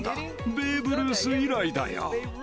ベーブ・ルース以来だよ。